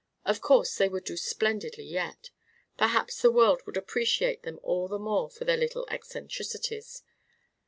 Of course they would do splendidly yet. Perhaps the world would appreciate them all the more for their little eccentricities.